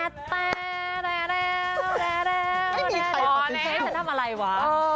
ฉันทำไรหวะ